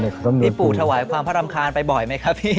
พี่ปู่ถวายความพระรำคาญไปบ่อยไหมครับพี่